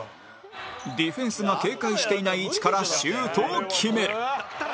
ディフェンスが警戒していない位置からシュートを決める！